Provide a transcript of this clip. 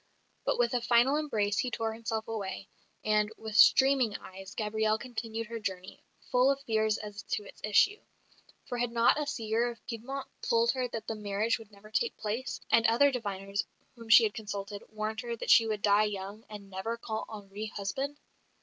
But with a final embrace he tore himself away; and with streaming eyes Gabrielle continued her journey, full of fears as to its issue; for had not a seer of Piedmont told her that the marriage would never take place; and other diviners, whom she had consulted, warned her that she would die young, and never call Henri husband?